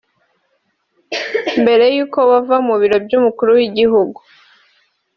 Mbere y’uko bava mu Biro by’umukuru w’igihugu